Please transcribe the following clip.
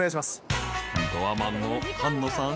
［ドアマンの菅野さん。